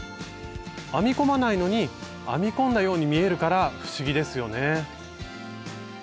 編み込まないのに編み込んだように見えるから不思議ですよね。